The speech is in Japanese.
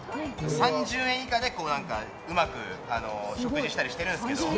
３０円以下でうまく食事をしたりしてるんですけど。